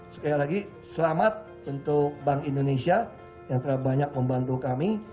sekali lagi selamat untuk bank indonesia yang telah banyak membantu kami